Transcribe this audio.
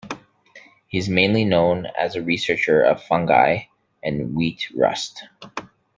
He is mainly known as a researcher of fungi and wheat rust.